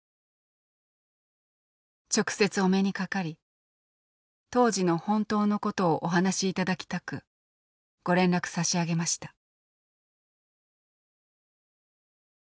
「直接お目にかかり当時の本当のことをお話しいただきたくご連絡差し上げました」。